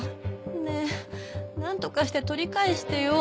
ねえなんとかして取り返してよ。